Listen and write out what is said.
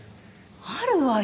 あるわよ。